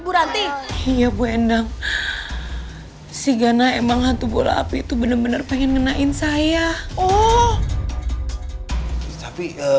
buranti iya bu endang si ghana emang hantu bola api itu bener bener pengen ngenain saya oh tapi